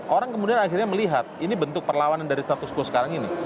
orang kemudian akhirnya melihat ini bentuk perlawanan dari status quo sekarang ini